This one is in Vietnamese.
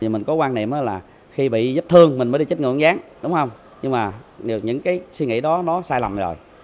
mình có quan niệm là khi bị vết thương mình mới đi chích ngừa uốn ván đúng không nhưng mà những cái suy nghĩ đó nó sai lầm rồi